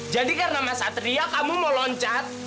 jadi karena mas satria kamu mau loncat